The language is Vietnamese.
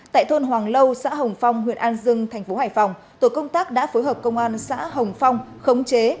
tại thôn hoàng lâu xã hồng phong huyện an dương thành phố hải phòng tổ công tác đã phối hợp công an xã hồng phong khống chế